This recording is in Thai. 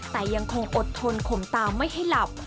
แต่ยังคงอดทนขมตาไม่ให้หลับ